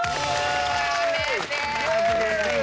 やめて！